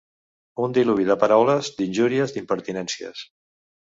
Un diluvi de paraules, d'injúries, d'impertinències.